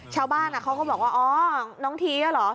ชาวบ้านเขาก็บอกว่าอ๋อน้องทีเนี่ยเหรอ